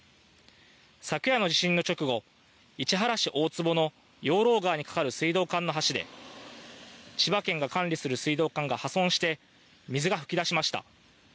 昨夜の地震の直後、市原市おおつぼの養老川に架かる水道管の橋で、千葉県が管理する水道管が破損して、水が噴き出しました。